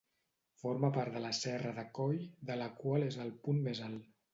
Forma part de la serra de Coll, de la qual és el punt més alt.